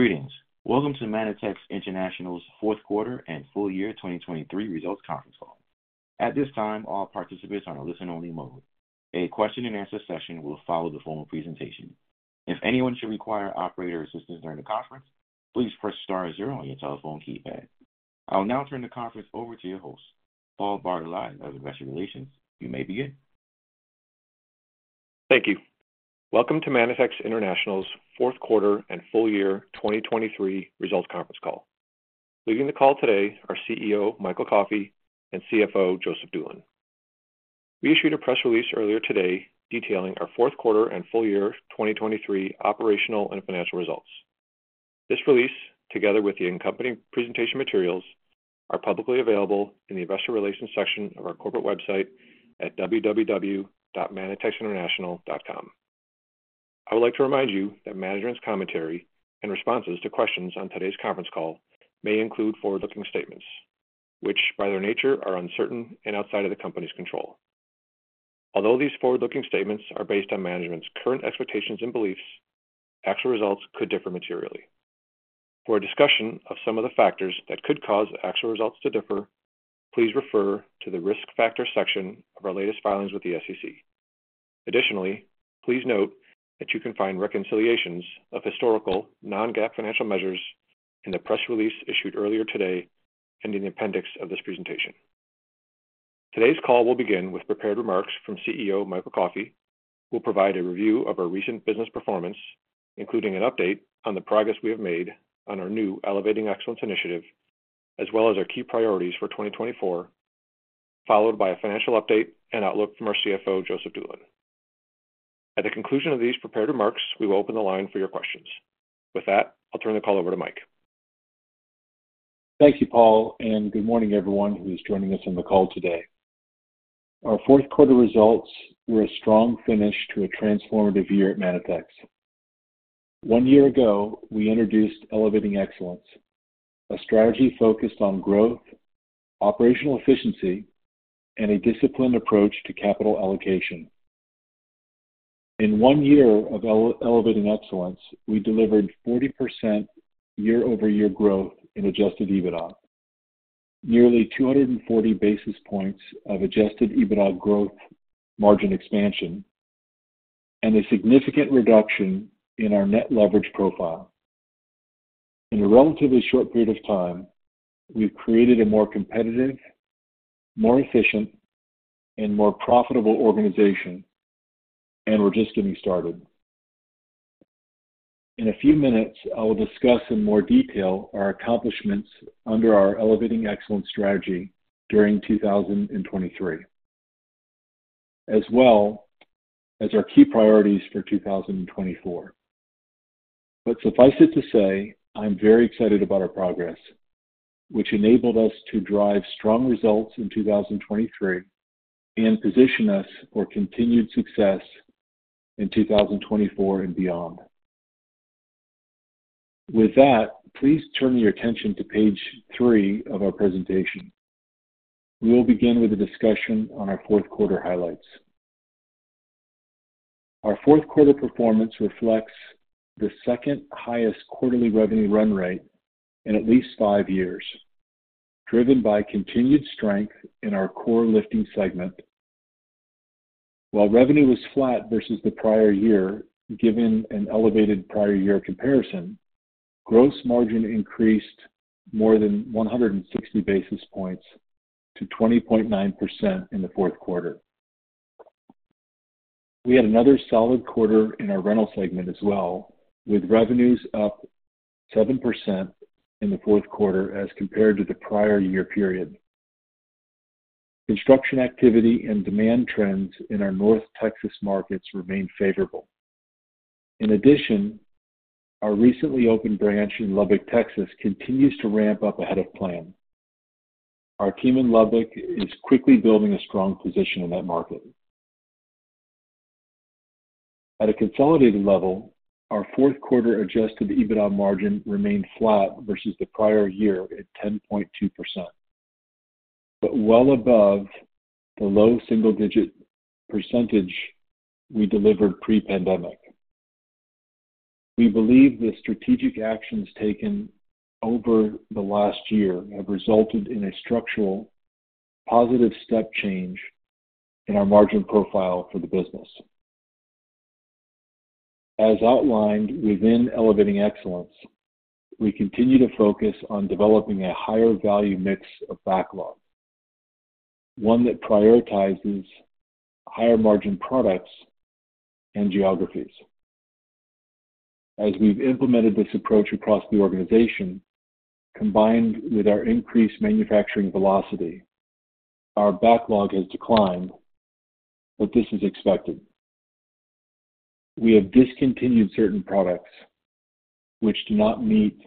Greetings. Welcome to Manitex International's fourth quarter and full year 2023 results conference call. At this time, all participants are in a listen-only mode. A question-and-answer session will follow the formal presentation. If anyone should require operator assistance during the conference, please press *0 on your telephone keypad. I will now turn the conference over to your host, Paul Bartolai of Investor Relations. You may begin. Thank you. Welcome to Manitex International's fourth quarter and full year 2023 results conference call. Leading the call today are CEO Michael Coffey and CFO Joseph Doolan. We issued a press release earlier today detailing our fourth quarter and full year 2023 operational and financial results. This release, together with the accompanying presentation materials, are publicly available in the Investor Relations section of our corporate website at www.manitexinternational.com. I would like to remind you that management's commentary and responses to questions on today's conference call may include forward-looking statements, which by their nature are uncertain and outside of the company's control. Although these forward-looking statements are based on management's current expectations and beliefs, actual results could differ materially. For a discussion of some of the factors that could cause actual results to differ, please refer to the risk factor section of our latest filings with the SEC. Additionally, please note that you can find reconciliations of historical non-GAAP financial measures in the press release issued earlier today and in the appendix of this presentation. Today's call will begin with prepared remarks from CEO Michael Coffey, who will provide a review of our recent business performance, including an update on the progress we have made on our new Elevating Excellence initiative, as well as our key priorities for 2024, followed by a financial update and outlook from our CFO Joseph Doolan. At the conclusion of these prepared remarks, we will open the line for your questions. With that, I'll turn the call over to Mike. Thank you, Paul, and good morning everyone who is joining us on the call today. Our fourth quarter results were a strong finish to a transformative year at Manitex. One year ago, we introduced Elevating Excellence, a strategy focused on growth, operational efficiency, and a disciplined approach to capital allocation. In one year of Elevating Excellence, we delivered 40% year-over-year growth in Adjusted EBITDA, nearly 240 basis points of Adjusted EBITDA growth margin expansion, and a significant reduction in our net leverage profile. In a relatively short period of time, we've created a more competitive, more efficient, and more profitable organization, and we're just getting started. In a few minutes, I will discuss in more detail our accomplishments under our Elevating Excellence strategy during 2023, as well as our key priorities for 2024. Suffice it to say, I'm very excited about our progress, which enabled us to drive strong results in 2023 and position us for continued success in 2024 and beyond. With that, please turn your attention to page 3 of our presentation. We will begin with a discussion on our fourth quarter highlights. Our fourth quarter performance reflects the second-highest quarterly revenue run rate in at least 5 years, driven by continued strength in our core lifting segment. While revenue was flat versus the prior year given an elevated prior-year comparison, gross margin increased more than 160 basis points to 20.9% in the fourth quarter. We had another solid quarter in our rental segment as well, with revenues up 7% in the fourth quarter as compared to the prior-year period. Construction activity and demand trends in our North Texas markets remained favorable. In addition, our recently opened branch in Lubbock, Texas, continues to ramp up ahead of plan. Our team in Lubbock is quickly building a strong position in that market. At a consolidated level, our fourth quarter Adjusted EBITDA margin remained flat versus the prior year at 10.2%, but well above the low single-digit percentage we delivered pre-pandemic. We believe the strategic actions taken over the last year have resulted in a structural, positive step change in our margin profile for the business. As outlined within Elevating Excellence, we continue to focus on developing a higher-value mix of backlog, one that prioritizes higher-margin products and geographies. As we've implemented this approach across the organization, combined with our increased manufacturing velocity, our backlog has declined, but this is expected. We have discontinued certain products which do not meet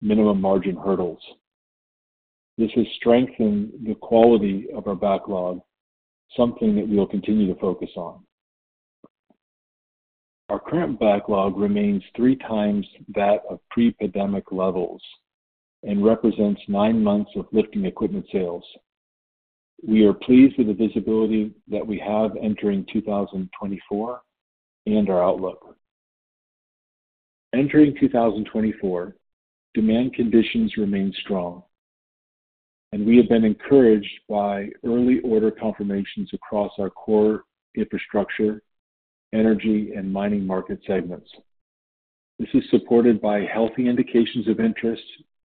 minimum margin hurdles. This has strengthened the quality of our backlog, something that we will continue to focus on. Our current backlog remains three times that of pre-pandemic levels and represents nine months of lifting equipment sales. We are pleased with the visibility that we have entering 2024 and our outlook. Entering 2024, demand conditions remain strong, and we have been encouraged by early order confirmations across our core infrastructure, energy, and mining market segments. This is supported by healthy indications of interest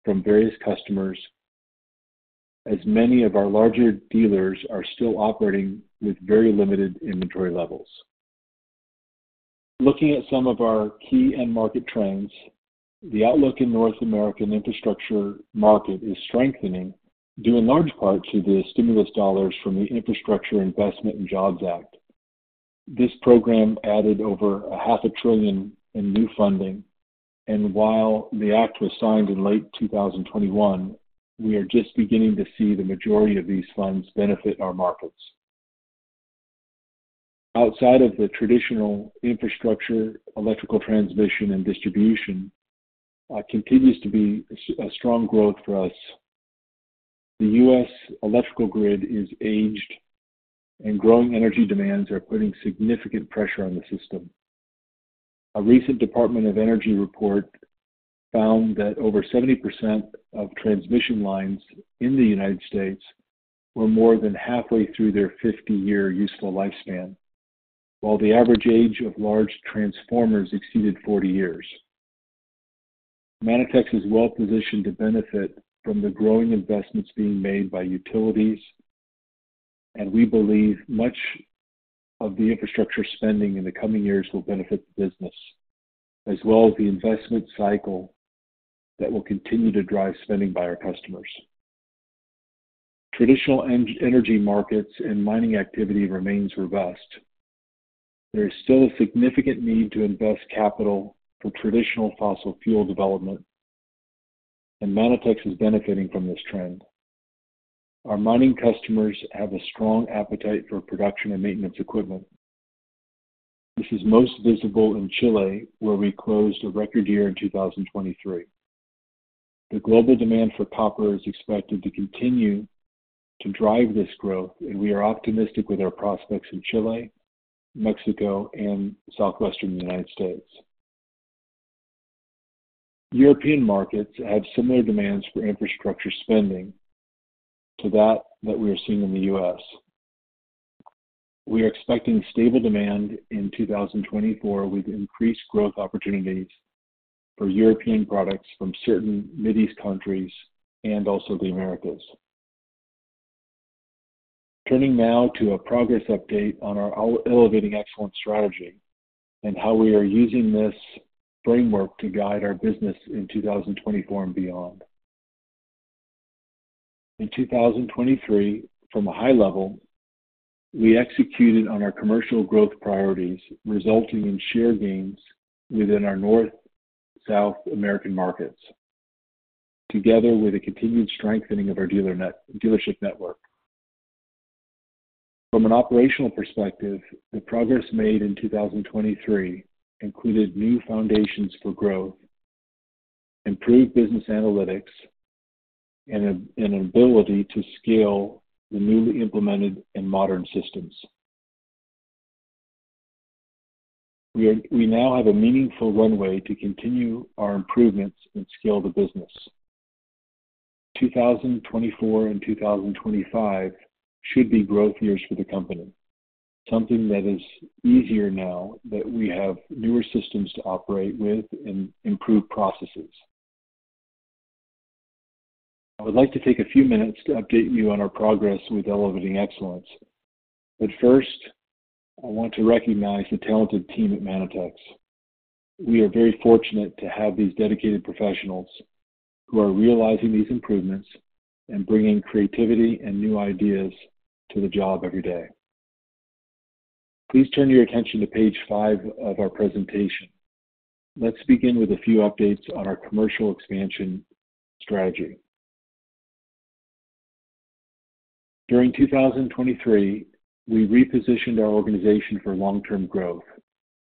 from various customers, as many of our larger dealers are still operating with very limited inventory levels. Looking at some of our key end-market trends, the outlook in North American infrastructure market is strengthening due in large part to the stimulus dollars from the Infrastructure Investment and Jobs Act. This program added over $0.5 trillion in new funding, and while the act was signed in late 2021, we are just beginning to see the majority of these funds benefit our markets. Outside of the traditional infrastructure, electrical transmission, and distribution continues to be a strong growth for us. The U.S. electrical grid is aged, and growing energy demands are putting significant pressure on the system. A recent U.S. Department of Energy report found that over 70% of transmission lines in the United States were more than halfway through their 50-year useful lifespan, while the average age of large transformers exceeded 40 years. Manitex is well positioned to benefit from the growing investments being made by utilities, and we believe much of the infrastructure spending in the coming years will benefit the business, as well as the investment cycle that will continue to drive spending by our customers. Traditional energy markets and mining activity remain robust. There is still a significant need to invest capital for traditional fossil fuel development, and Manitex is benefiting from this trend. Our mining customers have a strong appetite for production and maintenance equipment. This is most visible in Chile, where we closed a record year in 2023. The global demand for copper is expected to continue to drive this growth, and we are optimistic with our prospects in Chile, Mexico, and southwestern United States. European markets have similar demands for infrastructure spending to that we are seeing in the U.S. We are expecting stable demand in 2024 with increased growth opportunities for European products from certain Mideast countries and also the Americas. Turning now to a progress update on our Elevating Excellence strategy and how we are using this framework to guide our business in 2024 and beyond. In 2023, from a high level, we executed on our commercial growth priorities, resulting in share gains within our North, South American markets, together with a continued strengthening of our dealership network. From an operational perspective, the progress made in 2023 included new foundations for growth, improved business analytics, and an ability to scale the newly implemented and modern systems. We now have a meaningful runway to continue our improvements and scale the business. 2024 and 2025 should be growth years for the company, something that is easier now that we have newer systems to operate with and improved processes. I would like to take a few minutes to update you on our progress with Elevating Excellence, but first, I want to recognize the talented team at Manitex. We are very fortunate to have these dedicated professionals who are realizing these improvements and bringing creativity and new ideas to the job every day. Please turn your attention to page 5 of our presentation. Let's begin with a few updates on our commercial expansion strategy. During 2023, we repositioned our organization for long-term growth,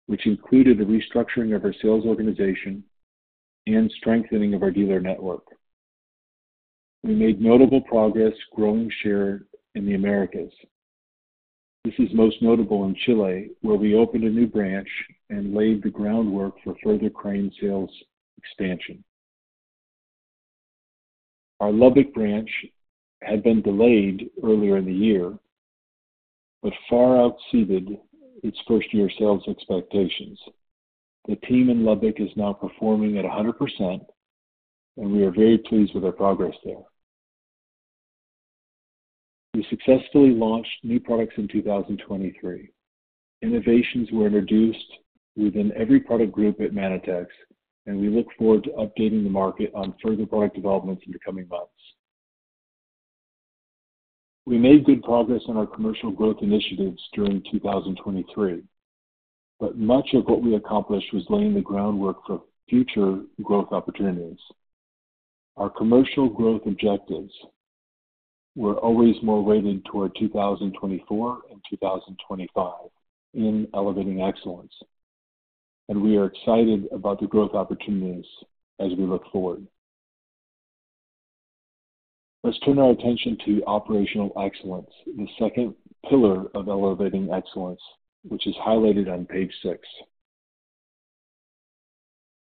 which included a restructuring of our sales organization and strengthening of our dealer network. We made notable progress growing share in the Americas. This is most notable in Chile, where we opened a new branch and laid the groundwork for further crane sales expansion. Our Lubbock branch had been delayed earlier in the year but far exceeded its first-year sales expectations. The team in Lubbock is now performing at 100%, and we are very pleased with our progress there. We successfully launched new products in 2023. Innovations were introduced within every product group at Manitex, and we look forward to updating the market on further product developments in the coming months. We made good progress on our commercial growth initiatives during 2023, but much of what we accomplished was laying the groundwork for future growth opportunities. Our commercial growth objectives were always more weighted toward 2024 and 2025 in Elevating Excellence, and we are excited about the growth opportunities as we look forward. Let's turn our attention to Operational Excellence, the second pillar of Elevating Excellence, which is highlighted on page 6.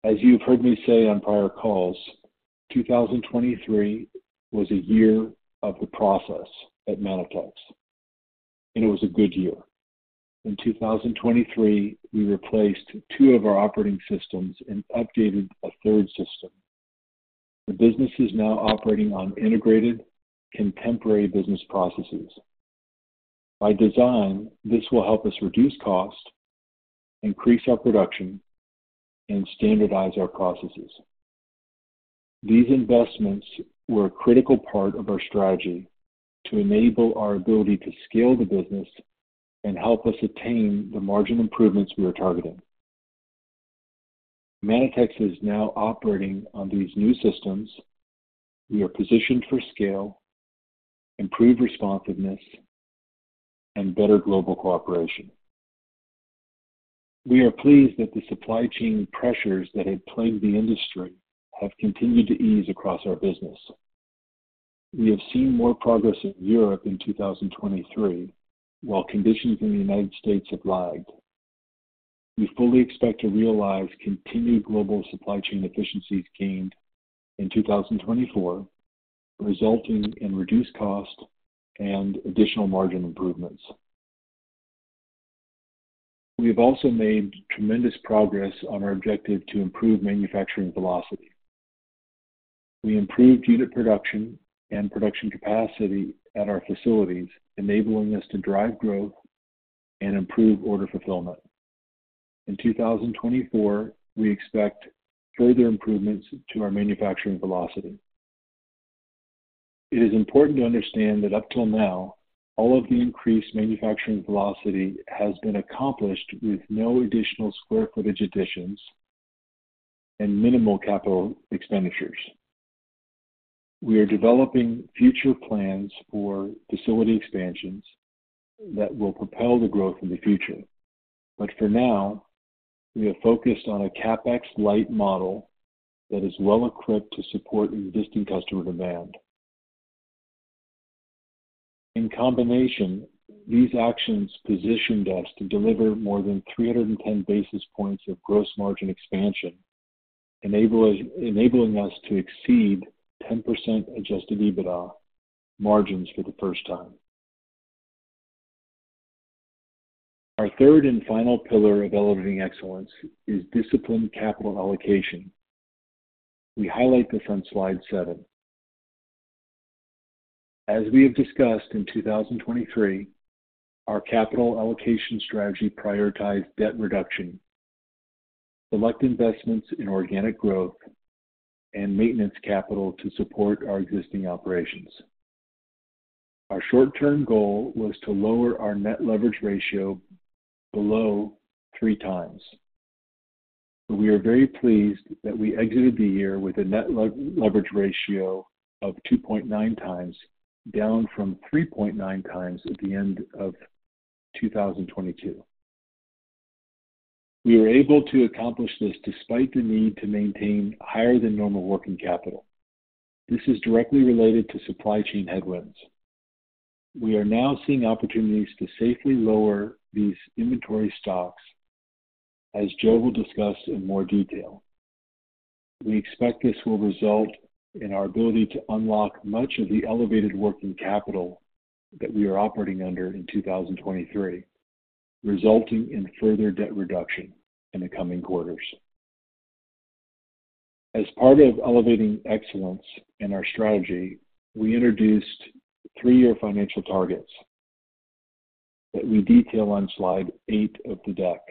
As you've heard me say on prior calls, 2023 was a year of the process at Manitex, and it was a good year. In 2023, we replaced two of our operating systems and updated a third system. The business is now operating on integrated, contemporary business processes. By design, this will help us reduce cost, increase our production, and standardize our processes. These investments were a critical part of our strategy to enable our ability to scale the business and help us attain the margin improvements we are targeting. Manitex is now operating on these new systems. We are positioned for scale, improved responsiveness, and better global cooperation. We are pleased that the supply chain pressures that had plagued the industry have continued to ease across our business. We have seen more progress in Europe in 2023 while conditions in the United States have lagged. We fully expect to realize continued global supply chain efficiencies gained in 2024, resulting in reduced cost and additional margin improvements. We have also made tremendous progress on our objective to improve manufacturing velocity. We improved unit production and production capacity at our facilities, enabling us to drive growth and improve order fulfillment. In 2024, we expect further improvements to our manufacturing velocity. It is important to understand that up till now, all of the increased manufacturing velocity has been accomplished with no additional square footage additions and minimal capital expenditures. We are developing future plans for facility expansions that will propel the growth in the future, but for now, we have focused on a CapEx-light model that is well equipped to support existing customer demand. In combination, these actions positioned us to deliver more than 310 basis points of gross margin expansion, enabling us to exceed 10% adjusted EBITDA margins for the first time. Our third and final pillar of Elevating Excellence is disciplined capital allocation. We highlight this on slide 7. As we have discussed in 2023, our capital allocation strategy prioritized debt reduction, select investments in organic growth, and maintenance capital to support our existing operations. Our short-term goal was to lower our net leverage ratio below 3 times, but we are very pleased that we exited the year with a net leverage ratio of 2.9 times, down from 3.9 times at the end of 2022. We were able to accomplish this despite the need to maintain higher-than-normal working capital. This is directly related to supply chain headwinds. We are now seeing opportunities to safely lower these inventory stocks, as Joe will discuss in more detail. We expect this will result in our ability to unlock much of the elevated working capital that we are operating under in 2023, resulting in further debt reduction in the coming quarters. As part of Elevating Excellence and our strategy, we introduced three-year financial targets that we detail on slide 8 of the deck.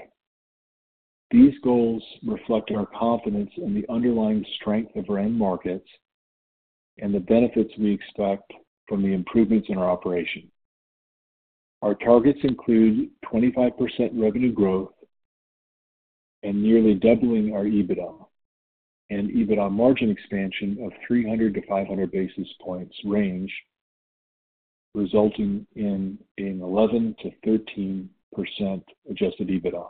These goals reflect our confidence in the underlying strength of our end markets and the benefits we expect from the improvements in our operation. Our targets include 25% revenue growth and nearly doubling our EBITDA and EBITDA margin expansion of 300-500 basis points range, resulting in an 11%-13% adjusted EBITDA.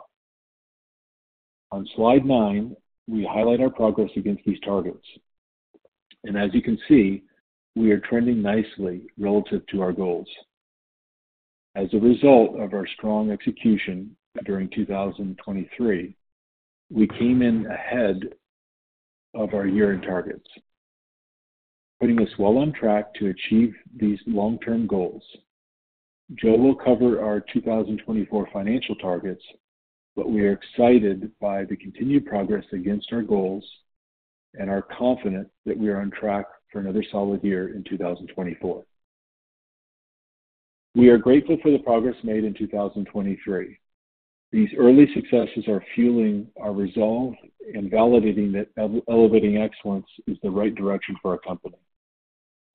On slide 9, we highlight our progress against these targets, and as you can see, we are trending nicely relative to our goals. As a result of our strong execution during 2023, we came in ahead of our year-end targets, putting us well on track to achieve these long-term goals. Joe will cover our 2024 financial targets, but we are excited by the continued progress against our goals and are confident that we are on track for another solid year in 2024. We are grateful for the progress made in 2023. These early successes are fueling our resolve in validating that Elevating Excellence is the right direction for our company.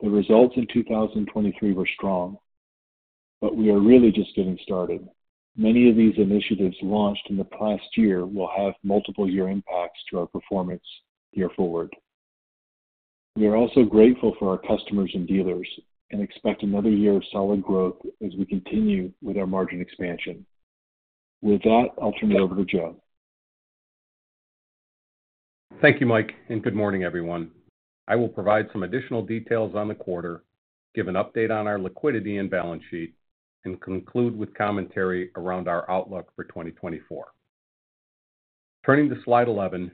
The results in 2023 were strong, but we are really just getting started. Many of these initiatives launched in the past year will have multiple-year impacts to our performance year forward. We are also grateful for our customers and dealers and expect another year of solid growth as we continue with our margin expansion. With that, I'll turn it over to Joe. Thank you, Mike, and good morning, everyone. I will provide some additional details on the quarter, give an update on our liquidity and balance sheet, and conclude with commentary around our outlook for 2024. Turning to slide 11,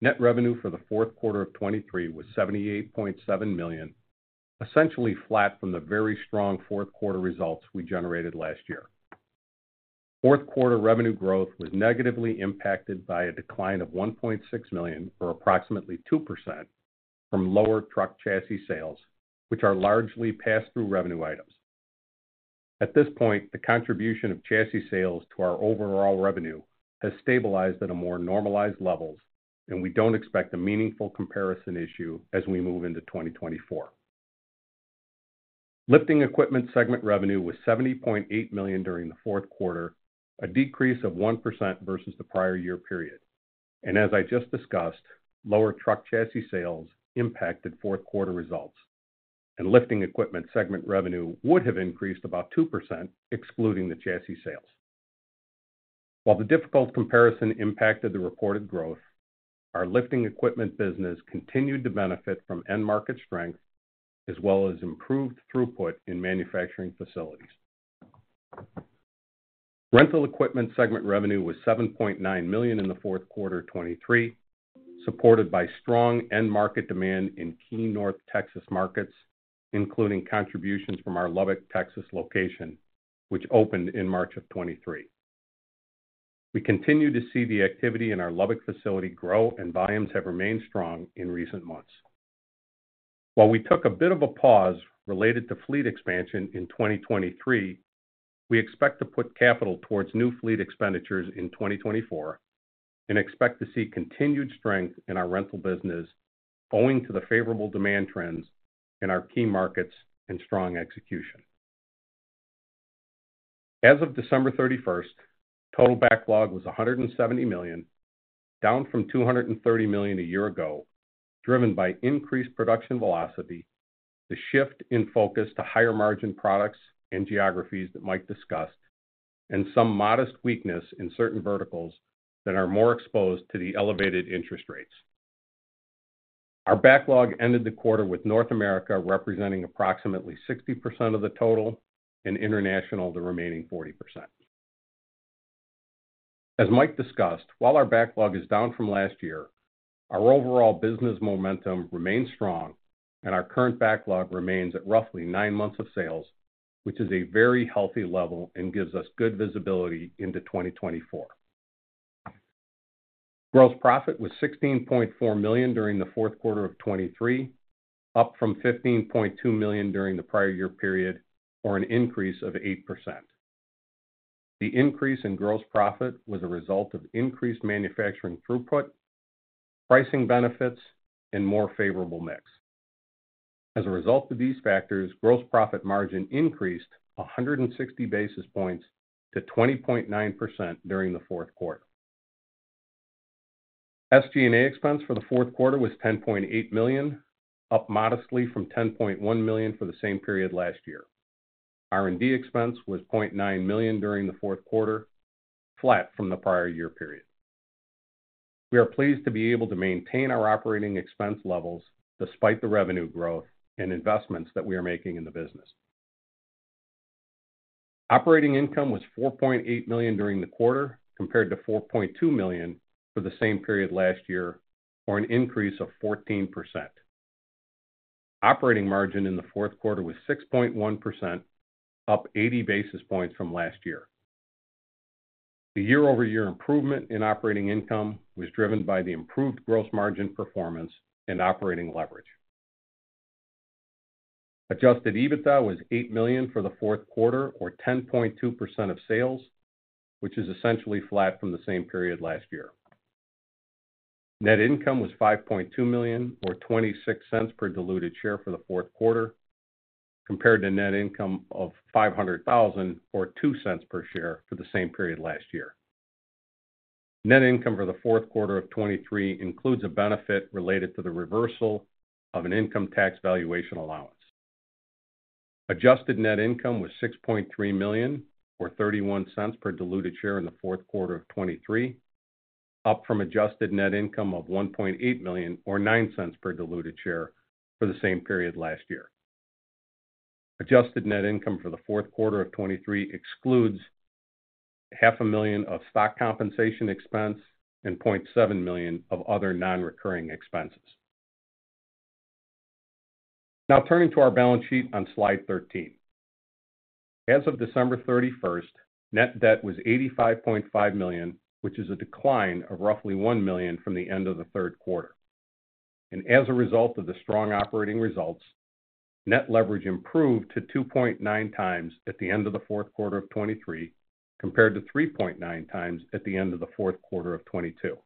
net revenue for the fourth quarter of 2023 was $78.7 million, essentially flat from the very strong fourth quarter results we generated last year. Fourth quarter revenue growth was negatively impacted by a decline of $1.6 million or approximately 2% from lower truck chassis sales, which are largely pass-through revenue items. At this point, the contribution of chassis sales to our overall revenue has stabilized at a more normalized level, and we don't expect a meaningful comparison issue as we move into 2024. Lifting equipment segment revenue was $70.8 million during the fourth quarter, a decrease of 1% versus the prior year period. As I just discussed, lower truck chassis sales impacted fourth quarter results, and lifting equipment segment revenue would have increased about 2% excluding the chassis sales. While the difficult comparison impacted the reported growth, our lifting equipment business continued to benefit from end market strength as well as improved throughput in manufacturing facilities. Rental equipment segment revenue was $7.9 million in the fourth quarter 2023, supported by strong end market demand in key North Texas markets, including contributions from our Lubbock, Texas location, which opened in March of 2023. We continue to see the activity in our Lubbock facility grow, and volumes have remained strong in recent months. While we took a bit of a pause related to fleet expansion in 2023, we expect to put capital towards new fleet expenditures in 2024 and expect to see continued strength in our rental business owing to the favorable demand trends in our key markets and strong execution. As of December 31st, total backlog was $170 million, down from $230 million a year ago, driven by increased production velocity, the shift in focus to higher margin products and geographies that Mike discussed, and some modest weakness in certain verticals that are more exposed to the elevated interest rates. Our backlog ended the quarter with North America representing approximately 60% of the total and international the remaining 40%. As Mike discussed, while our backlog is down from last year, our overall business momentum remains strong, and our current backlog remains at roughly nine months of sales, which is a very healthy level and gives us good visibility into 2024. Gross profit was $16.4 million during the fourth quarter of 2023, up from $15.2 million during the prior year period or an increase of 8%. The increase in gross profit was a result of increased manufacturing throughput, pricing benefits, and more favorable mix. As a result of these factors, gross profit margin increased 160 basis points to 20.9% during the fourth quarter. SG&A expense for the fourth quarter was $10.8 million, up modestly from $10.1 million for the same period last year. R&D expense was $0.9 million during the fourth quarter, flat from the prior year period. We are pleased to be able to maintain our operating expense levels despite the revenue growth and investments that we are making in the business. Operating income was $4.8 million during the quarter compared to $4.2 million for the same period last year or an increase of 14%. Operating margin in the fourth quarter was 6.1%, up 80 basis points from last year. The year-over-year improvement in operating income was driven by the improved gross margin performance and operating leverage. Adjusted EBITDA was $8 million for the fourth quarter or 10.2% of sales, which is essentially flat from the same period last year. Net income was $5.2 million or $0.26 per diluted share for the fourth quarter compared to net income of $500,000 or $0.02 per share for the same period last year. Net income for the fourth quarter of 2023 includes a benefit related to the reversal of an income tax valuation allowance. Adjusted net income was $6.3 million or $0.31 per diluted share in the fourth quarter of 2023, up from adjusted net income of $1.8 million or $0.09 per diluted share for the same period last year. Adjusted net income for the fourth quarter of 2023 excludes $500,000 of stock compensation expense and $0.7 million of other non-recurring expenses. Now, turning to our balance sheet on slide 13. As of December 31st, net debt was $85.5 million, which is a decline of roughly $1 million from the end of the third quarter. As a result of the strong operating results, net leverage improved to 2.9 times at the end of the fourth quarter of 2023 compared to 3.9 times at the end of the fourth quarter of 2022.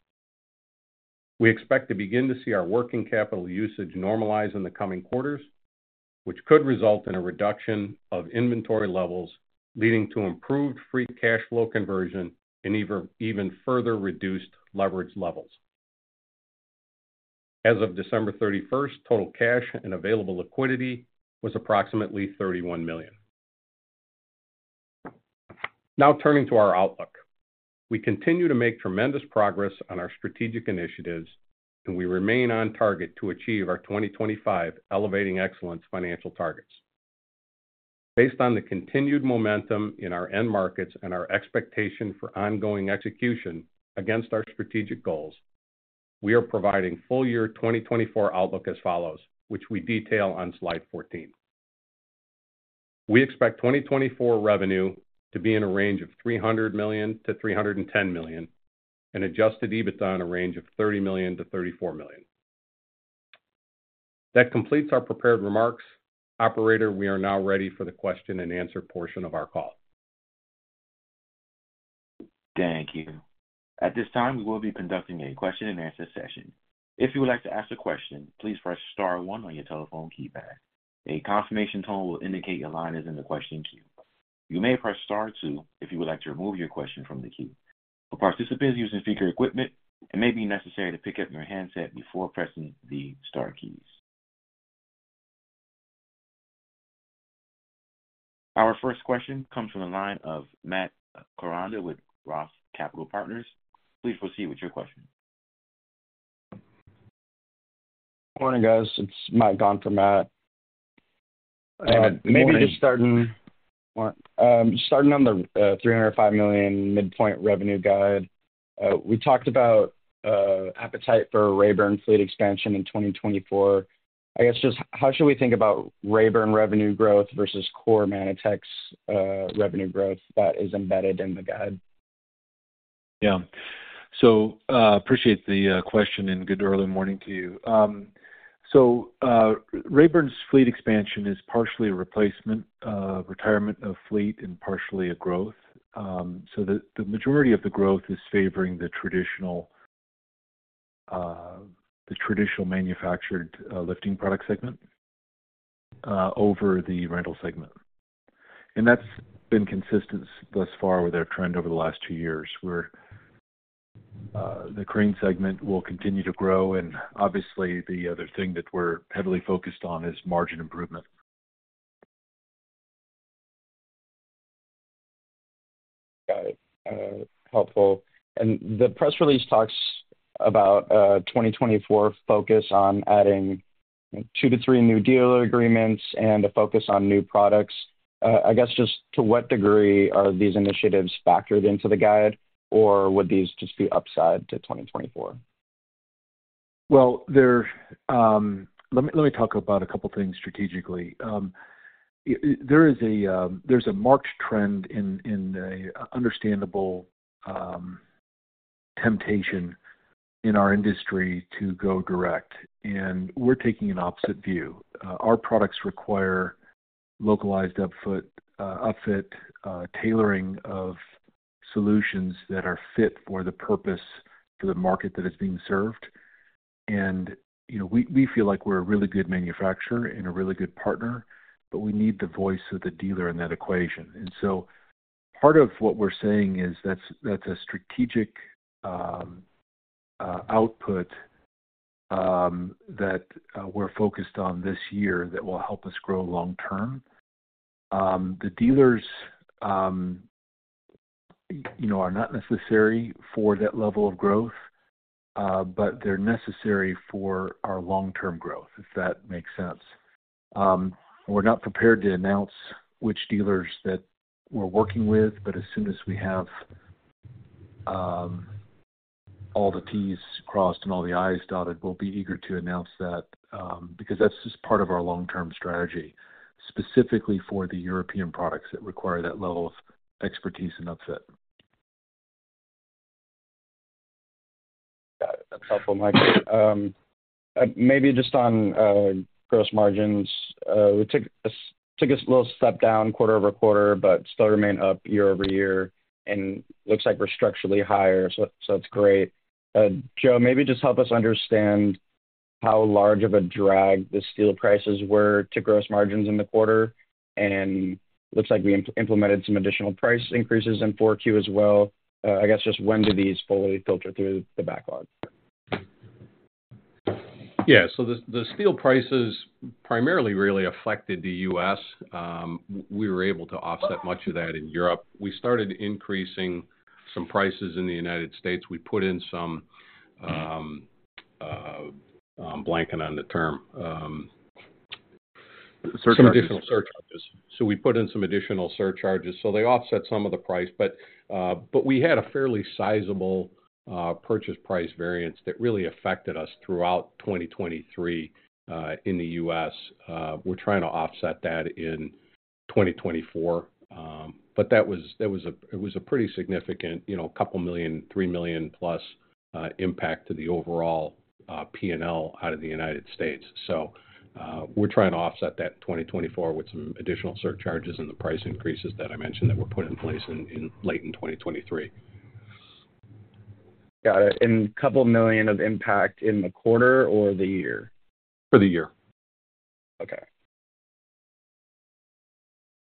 We expect to begin to see our working capital usage normalize in the coming quarters, which could result in a reduction of inventory levels leading to improved free cash flow conversion and even further reduced leverage levels. As of December 31st, total cash and available liquidity was approximately $31 million. Now, turning to our outlook. We continue to make tremendous progress on our strategic initiatives, and we remain on target to achieve our 2025 Elevating Excellence financial targets. Based on the continued momentum in our end markets and our expectation for ongoing execution against our strategic goals, we are providing full-year 2024 outlook as follows, which we detail on slide 14. We expect 2024 revenue to be in a range of $300 million-$310 million and adjusted EBITDA on a range of $30 million-$34 million. That completes our prepared remarks. Operator, we are now ready for the question-and-answer portion of our call. Thank you. At this time, we will be conducting a question-and-answer session. If you would like to ask a question, please press star 1 on your telephone keypad. A confirmation tone will indicate your line is in the question queue. You may press star 2 if you would like to remove your question from the queue. For participants using speaker equipment, it may be necessary to pick up your handset before pressing the star keys. Our first question comes from the line of Matt Koranda with Roth Capital Partners. Please proceed with your question. Morning, guys. It's Mike Gong for Matt. Maybe just starting on the $305 million midpoint revenue guide. We talked about appetite for Rabern fleet expansion in 2024. I guess just how should we think about Rabern revenue growth versus core Manitex revenue growth that is embedded in the guide? Yeah. So appreciate the question and good early morning to you. So Rabern's fleet expansion is partially a replacement, retirement of fleet, and partially a growth. So the majority of the growth is favoring the traditional manufactured lifting product segment over the rental segment. And that's been consistent thus far with our trend over the last two years, where the crane segment will continue to grow. And obviously, the other thing that we're heavily focused on is margin improvement. Got it. Helpful. And the press release talks about 2024 focus on adding two to three new dealer agreements and a focus on new products. I guess just to what degree are these initiatives factored into the guide, or would these just be upside to 2024? Well, let me talk about a couple of things strategically. There's a marked trend in an understandable temptation in our industry to go direct, and we're taking an opposite view. Our products require localized upfit, tailoring of solutions that are fit for the purpose for the market that is being served. We feel like we're a really good manufacturer and a really good partner, but we need the voice of the dealer in that equation. So part of what we're saying is that's a strategic output that we're focused on this year that will help us grow long-term. The dealers are not necessary for that level of growth, but they're necessary for our long-term growth, if that makes sense. We're not prepared to announce which dealers that we're working with, but as soon as we have all the T's crossed and all the I's dotted, we'll be eager to announce that because that's just part of our long-term strategy, specifically for the European products that require that level of expertise and upfit. Got it. That's helpful, Mike. Maybe just on gross margins, we took a little step down quarter-over-quarter but still remain up year-over-year, and looks like we're structurally higher, so that's great. Joe, maybe just help us understand how large of a drag the steel prices were to gross margins in the quarter. And looks like we implemented some additional price increases in fourth quarter as well. I guess just when do these fully filter through the backlog? Yeah. So the steel prices primarily really affected the U.S. We were able to offset much of that in Europe. We started increasing some prices in the United States. We put in some blanking on the term, some additional surcharges. So we put in some additional surcharges. So they offset some of the price, but we had a fairly sizable purchase price variance that really affected us throughout 2023 in the U.S. We're trying to offset that in 2024, but that was a pretty significant couple million, $3 million+ impact to the overall P&L out of the United States. So we're trying to offset that in 2024 with some additional surcharges and the price increases that I mentioned that were put in place late in 2023. Got it. And couple million of impact in the quarter or the year? For the year. Okay.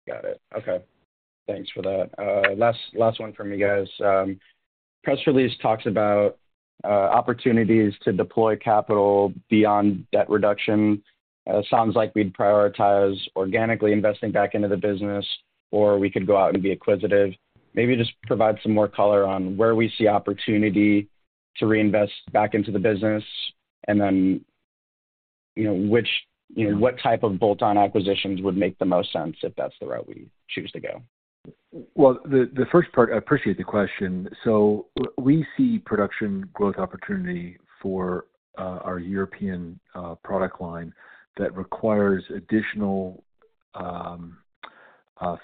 Got it. Okay. Thanks for that. Last one from you guys. Press release talks about opportunities to deploy capital beyond debt reduction. Sounds like we'd prioritize organically investing back into the business, or we could go out and be acquisitive. Maybe just provide some more color on where we see opportunity to reinvest back into the business and then what type of bolt-on acquisitions would make the most sense if that's the route we choose to go. Well, the first part, I appreciate the question. So we see production growth opportunity for our European product line that requires additional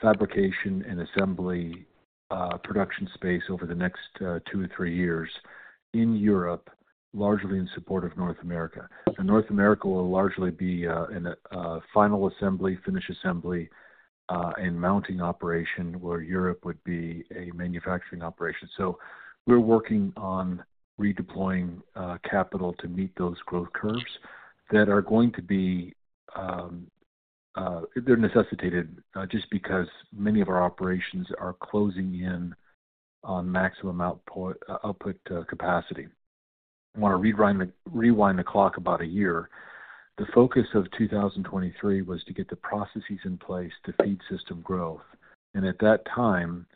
fabrication and assembly production space over the next two to three years in Europe, largely in support of North America. North America will largely be in a final assembly, finish assembly, and mounting operation where Europe would be a manufacturing operation. We're working on redeploying capital to meet those growth curves that are going to be they're necessitated just because many of our operations are closing in on maximum output capacity. I want to rewind the clock about a year. The focus of 2023 was to get the processes in place to feed system growth. At that time,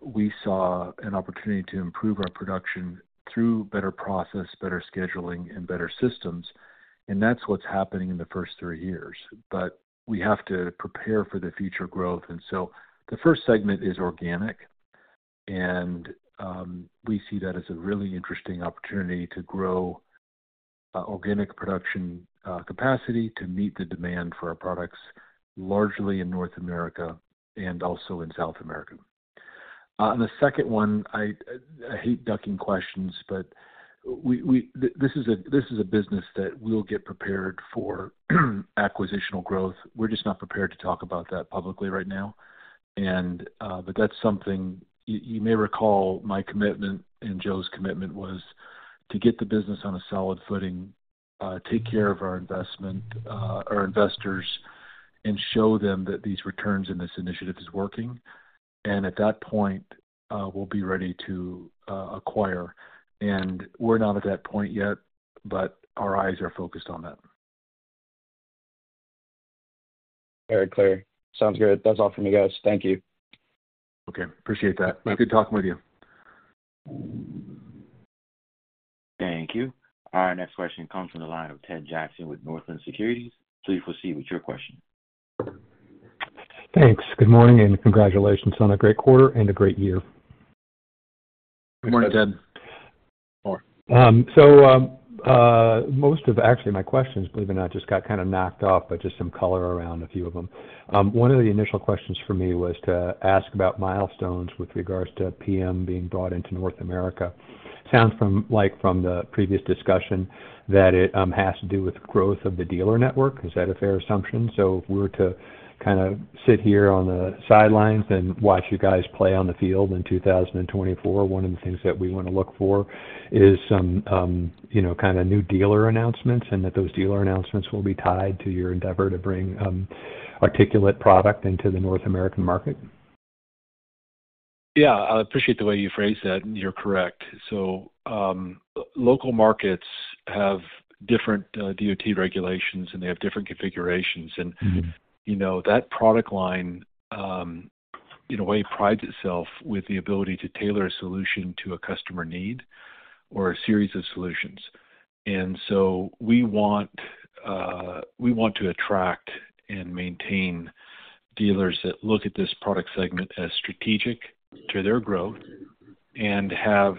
we saw an opportunity to improve our production through better process, better scheduling, and better systems. That's what's happening in the first three years. But we have to prepare for the future growth. The first segment is organic, and we see that as a really interesting opportunity to grow organic production capacity to meet the demand for our products, largely in North America and also in South America. The second one, I hate ducking questions, but this is a business that will get prepared for acquisitional growth. We're just not prepared to talk about that publicly right now. But that's something you may recall my commitment and Joe's commitment was to get the business on a solid footing, take care of our investors and show them that these returns in this initiative is working. And at that point, we'll be ready to acquire. And we're not at that point yet, but our eyes are focused on that. Very clear. Sounds good. That's all from you guys. Thank you. Okay. Appreciate that. Good talking with you. Thank you. Our next question comes from the line of Ted Jackson with Northland Securities. Please proceed with your question. Thanks. Good morning and congratulations on a great quarter and a great year. Good morning, Ted. So most of, actually, my questions, believe it or not, just got kind of knocked off by just some color around a few of them. One of the initial questions for me was to ask about milestones with regards to PM being brought into North America. Sounds like from the previous discussion that it has to do with growth of the dealer network. Is that a fair assumption? So if we were to kind of sit here on the sidelines and watch you guys play on the field in 2024, one of the things that we want to look for is some kind of new dealer announcements and that those dealer announcements will be tied to your endeavor to bring articulate product into the North American market. Yeah. I appreciate the way you phrased that. You're correct. So local markets have different DOT regulations, and they have different configurations. And that product line, in a way, prides itself with the ability to tailor a solution to a customer need or a series of solutions. We want to attract and maintain dealers that look at this product segment as strategic to their growth and have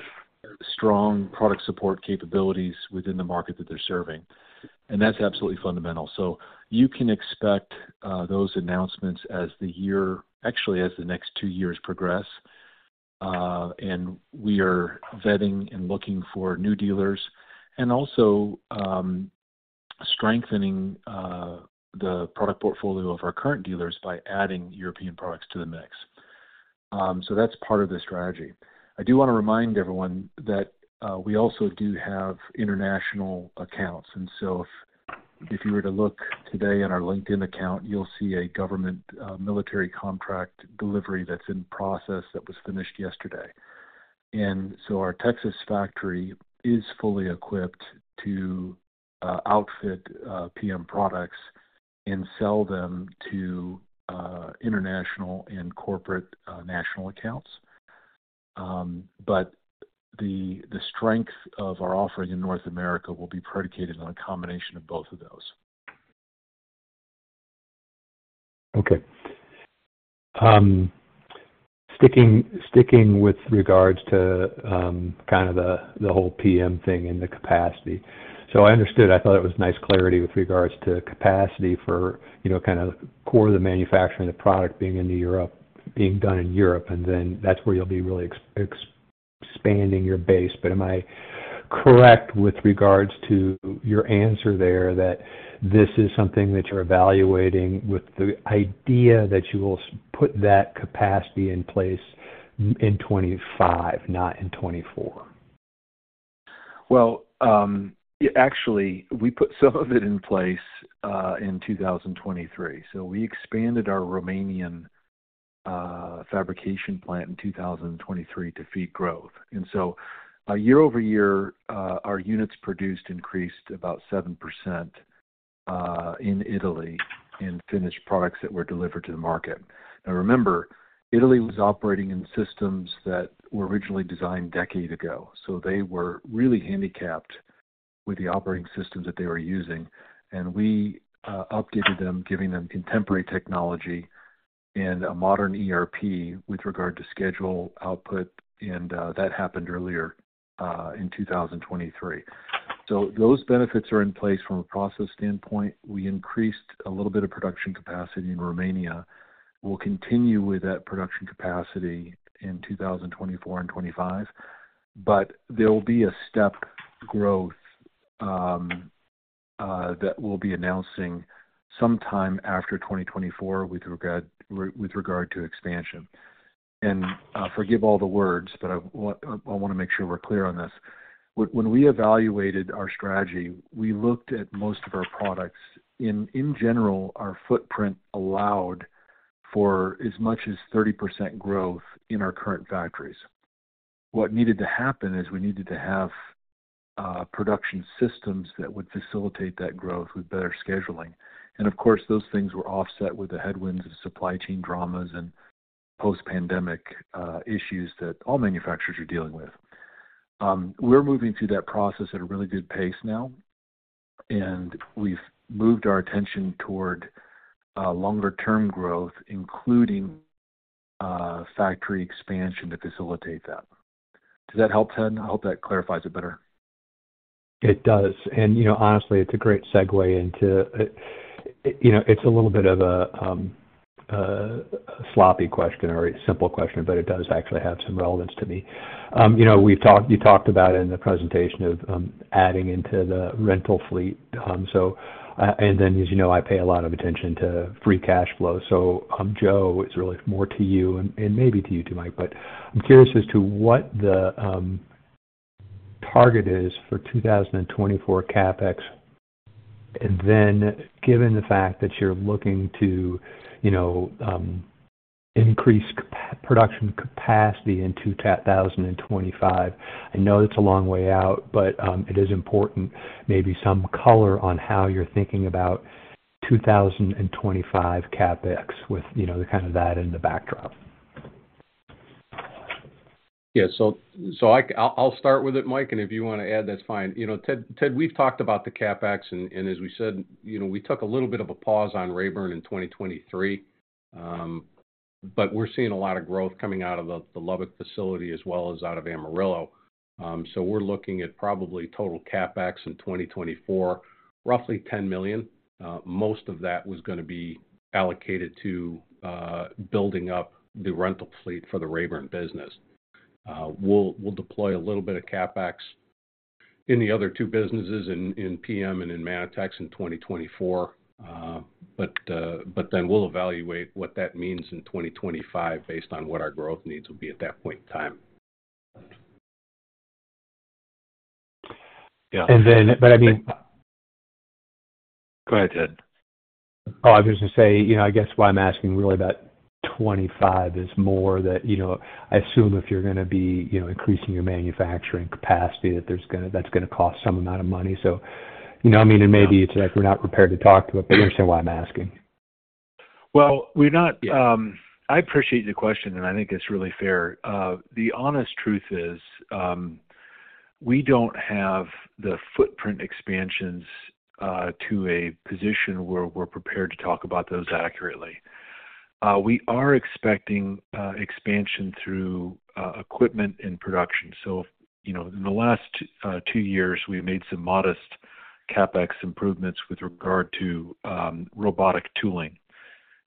strong product support capabilities within the market that they're serving. That's absolutely fundamental. You can expect those announcements as the year actually, as the next two years progress. We are vetting and looking for new dealers and also strengthening the product portfolio of our current dealers by adding European products to the mix. That's part of the strategy. I do want to remind everyone that we also do have international accounts. If you were to look today in our LinkedIn account, you'll see a government military contract delivery that's in process that was finished yesterday. Our Texas factory is fully equipped to outfit PM products and sell them to international and corporate national accounts. But the strength of our offering in North America will be predicated on a combination of both of those. Okay. Sticking with regards to kind of the whole PM thing and the capacity. So I understood. I thought it was nice clarity with regards to capacity for kind of core of the manufacturing, the product being in Europe, being done in Europe. And then that's where you'll be really expanding your base. But am I correct with regards to your answer there that this is something that you're evaluating with the idea that you will put that capacity in place in 2025, not in 2024? Well, actually, we put some of it in place in 2023. So we expanded our Romanian fabrication plant in 2023 to feed growth. And so year-over-year, our units produced increased about 7% in Italy in finished products that were delivered to the market. Now, remember, Italy was operating in systems that were originally designed a decade ago. So they were really handicapped with the operating systems that they were using. And we updated them, giving them contemporary technology and a modern ERP with regard to schedule, output. And that happened earlier in 2023. So those benefits are in place from a process standpoint. We increased a little bit of production capacity in Romania. We'll continue with that production capacity in 2024 and 2025, but there will be a step growth that we'll be announcing sometime after 2024 with regard to expansion. And forgive all the words, but I want to make sure we're clear on this. When we evaluated our strategy, we looked at most of our products. In general, our footprint allowed for as much as 30% growth in our current factories. What needed to happen is we needed to have production systems that would facilitate that growth with better scheduling. And of course, those things were offset with the headwinds of supply chain dramas and post-pandemic issues that all manufacturers are dealing with. We're moving through that process at a really good pace now, and we've moved our attention toward longer-term growth, including factory expansion to facilitate that. Does that help, Ted? I hope that clarifies it better. It does. And honestly, it's a great segue. And it's a little bit of a sloppy question or a simple question, but it does actually have some relevance to me. You talked about in the presentation of adding into the rental fleet. And then, as you know, I pay a lot of attention to free cash flow. So Joe, it's really more to you and maybe to you too, Mike. I'm curious as to what the target is for 2024 CapEx. And then given the fact that you're looking to increase production capacity in 2025, I know it's a long way out, but it is important, maybe some color on how you're thinking about 2025 CapEx with kind of that in the backdrop. Yeah. So I'll start with it, Mike. And if you want to add, that's fine. Ted, we've talked about the CapEx. And as we said, we took a little bit of a pause on Rabern in 2023, but we're seeing a lot of growth coming out of the Lubbock facility as well as out of Amarillo. So we're looking at probably total CapEx in 2024, roughly $10 million. Most of that was going to be allocated to building up the rental fleet for the Rabern business. We'll deploy a little bit of CapEx in the other two businesses, in PM and in Manitex in 2024. But then we'll evaluate what that means in 2025 based on what our growth needs will be at that point in time. Yeah. But I mean, go ahead, Ted. Oh, I was going to say, I guess why I'm asking really about 2025 is more that I assume if you're going to be increasing your manufacturing capacity, that's going to cost some amount of money. So you know what I mean? And maybe it's like we're not prepared to talk to it, but you understand why I'm asking. Well, I appreciate the question, and I think it's really fair. The honest truth is we don't have the footprint expansions to a position where we're prepared to talk about those accurately. We are expecting expansion through equipment in production. In the last two years, we've made some modest CapEx improvements with regard to robotic tooling.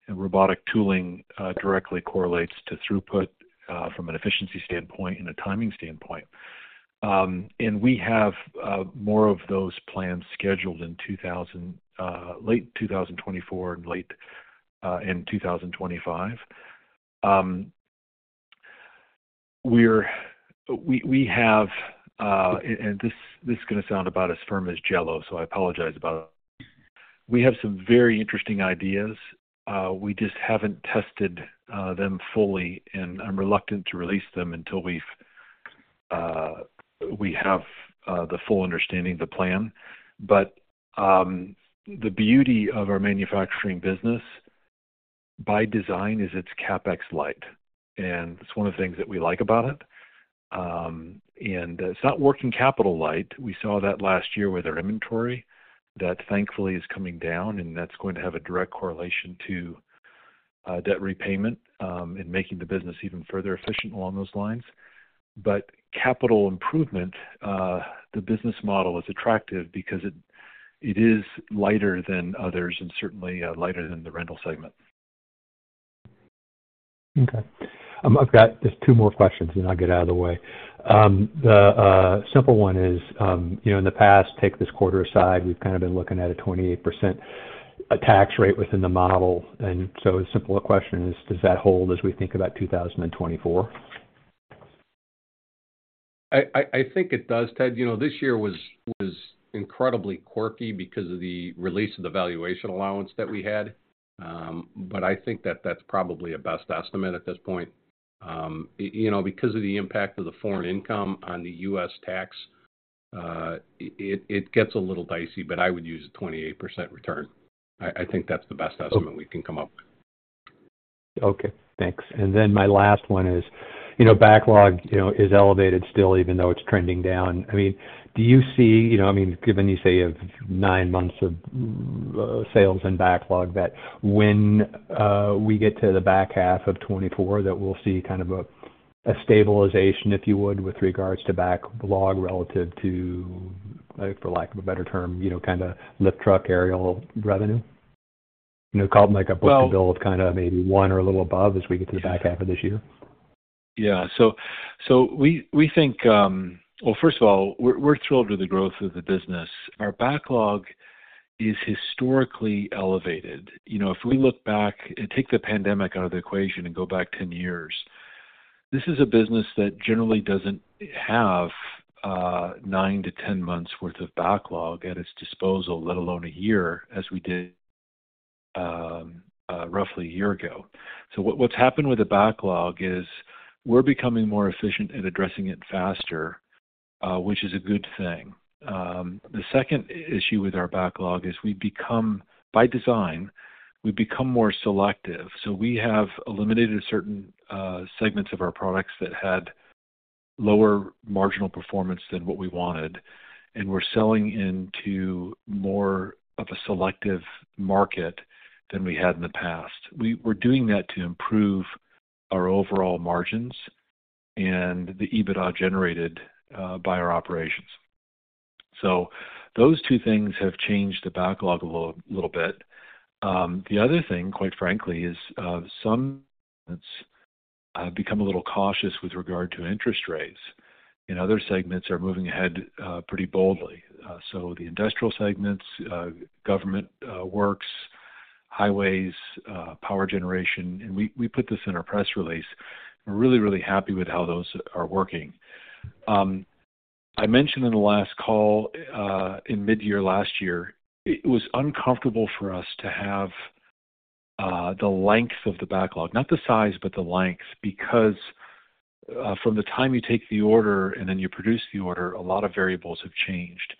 Robotic tooling directly correlates to throughput from an efficiency standpoint and a timing standpoint. We have more of those plans scheduled in late 2024 and late in 2025. We have, and this is going to sound about as firm as Jell-O, so I apologize about it. We have some very interesting ideas. We just haven't tested them fully, and I'm reluctant to release them until we have the full understanding of the plan. The beauty of our manufacturing business, by design, is its CapEx light. It's one of the things that we like about it. It's not working capital light. We saw that last year with our inventory that, thankfully, is coming down, and that's going to have a direct correlation to debt repayment and making the business even further efficient along those lines. But capital improvement, the business model is attractive because it is lighter than others and certainly lighter than the rental segment. Okay. I've got just two more questions, and I'll get out of the way. The simple one is, in the past, take this quarter aside, we've kind of been looking at a 28% tax rate within the model. And so a simple question is, does that hold as we think about 2024? I think it does, Ted. This year was incredibly quirky because of the release of the valuation allowance that we had. But I think that that's probably a best estimate at this point. Because of the impact of the foreign income on the U.S. tax, it gets a little dicey, but I would use a 28% return. I think that's the best estimate we can come up with. Okay. Thanks. And then my last one is, backlog is elevated still even though it's trending down. I mean, do you see I mean, given you say you have nine months of sales and backlog, that when we get to the back half of 2024, that we'll see kind of a stabilization, if you would, with regards to backlog relative to, for lack of a better term, kind of lift truck aerial revenue? Call it a book-to-bill of kind of maybe one or a little above as we get to the back half of this year. Yeah. So we think well, first of all, we're thrilled with the growth of the business. Our backlog is historically elevated. If we look back and take the pandemic out of the equation and go back 10 years, this is a business that generally doesn't have 9-10 months' worth of backlog at its disposal, let alone a year as we did roughly a year ago. So what's happened with the backlog is we're becoming more efficient at addressing it faster, which is a good thing. The second issue with our backlog is we become by design, we become more selective. So we have eliminated certain segments of our products that had lower marginal performance than what we wanted, and we're selling into more of a selective market than we had in the past. We're doing that to improve our overall margins and the EBITDA generated by our operations. So those two things have changed the backlog a little bit. The other thing, quite frankly, is some segments have become a little cautious with regard to interest rates. Other segments are moving ahead pretty boldly. The industrial segments, government works, highways, power generation. We put this in our press release. We're really, really happy with how those are working. I mentioned in the last call, in midyear last year, it was uncomfortable for us to have the length of the backlog, not the size, but the length because from the time you take the order and then you produce the order, a lot of variables have changed.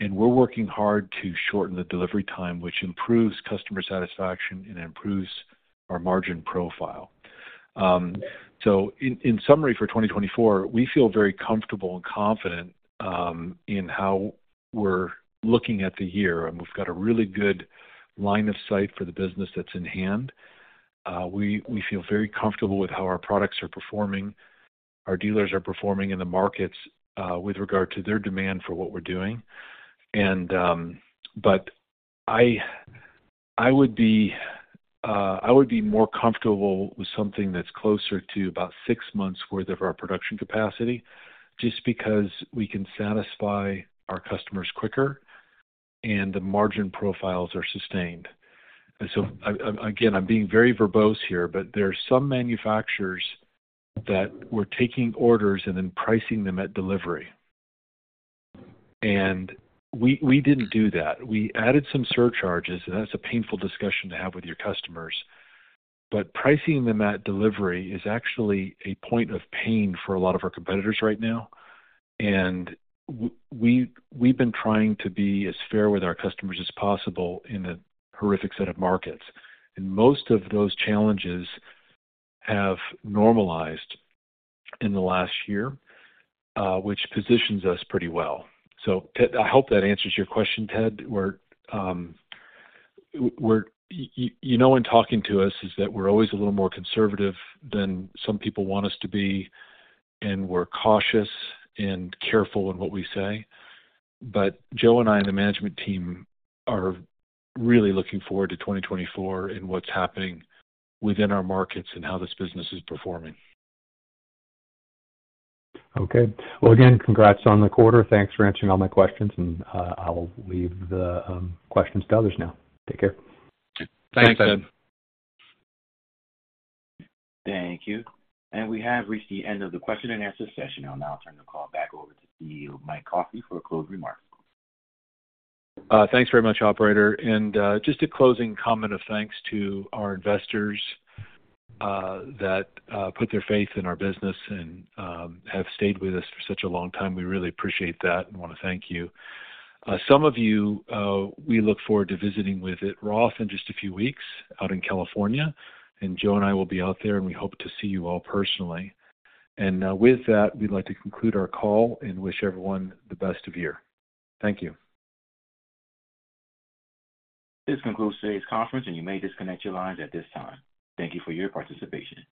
We're working hard to shorten the delivery time, which improves customer satisfaction and improves our margin profile. In summary, for 2024, we feel very comfortable and confident in how we're looking at the year. We've got a really good line of sight for the business that's in hand. We feel very comfortable with how our products are performing, our dealers are performing in the markets with regard to their demand for what we're doing. I would be more comfortable with something that's closer to about six months' worth of our production capacity just because we can satisfy our customers quicker and the margin profiles are sustained. Again, I'm being very verbose here, but there are some manufacturers that were taking orders and then pricing them at delivery. We didn't do that. We added some surcharges, and that's a painful discussion to have with your customers. Pricing them at delivery is actually a point of pain for a lot of our competitors right now. We've been trying to be as fair with our customers as possible in a horrific set of markets. Most of those challenges have normalized in the last year, which positions us pretty well. I hope that answers your question, Ted, where you know in talking to us is that we're always a little more conservative than some people want us to be, and we're cautious and careful in what we say. But Joe and I and the management team are really looking forward to 2024 and what's happening within our markets and how this business is performing. Okay. Well, again, congrats on the quarter. Thanks for answering all my questions. I'll leave the questions to others now. Take care. Thanks, Ted. Thanks, Ted. Thank you. We have reached the end of the question-and-answer session. And I'll now turn the call back over to CEO Mike Coffey for closing remarks. Thanks very much, operator. And just a closing comment of thanks to our investors that put their faith in our business and have stayed with us for such a long time. We really appreciate that and want to thank you. Some of you, we look forward to visiting with at Roth in just a few weeks out in California. And Joe and I will be out there, and we hope to see you all personally. And with that, we'd like to conclude our call and wish everyone the best of year. Thank you. This concludes today's conference, and you may disconnect your lines at this time. Thank you for your participation.